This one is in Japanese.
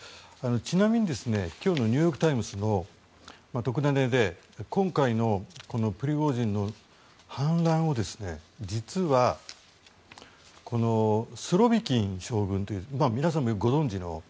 ちなみに今日のニューヨーク・タイムズの特ダネで今日のプリゴジンの反乱を実はスロビキン将軍という皆さんよくご存じの。